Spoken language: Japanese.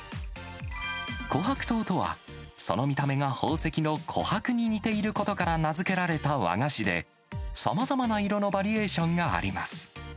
こはく糖とは、その見た目が宝石のこはくに似ていることから名付けられた和菓子で、さまざまな色のバリエーションがあります。